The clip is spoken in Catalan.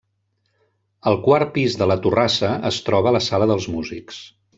Al quart pis de la torrassa es troba la sala dels músics.